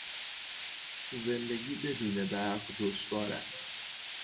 زندگی بدون برق دشوار است.